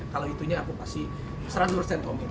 kalau itunya aku pasti seratus omit